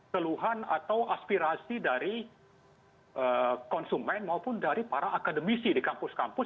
keluhan atau aspirasi dari konsumen maupun dari para akademisi di kampus kampus